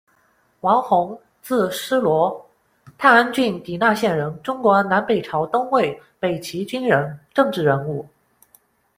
王纮，字师罗，太安郡狄那县人，中国南北朝东魏、北齐军人、政治人物。